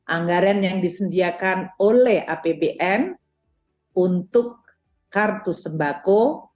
anggaran yang disediakan oleh apbn untuk kartu sembako